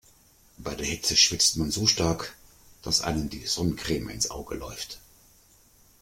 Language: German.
Bei der Hitze schwitzt man so stark, dass einem die Sonnencreme ins Auge läuft.